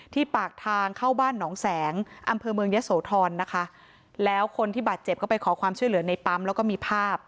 ที่ปากทางเข้าบ้านหนองแสงอำเภอเมืองยะโสธรนะคะแล้วคนที่บาดเจ็บก็ไปขอความช่วยเหลือในปั๊มแล้วก็มีภาพ